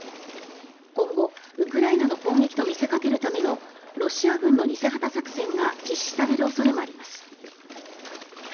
今後、ウクライナの攻撃と見せかけるためのロシア軍の偽旗作戦が実施される恐れもあります。